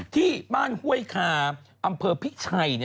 ที่บ้านห้วยคาอำเภอพิชัย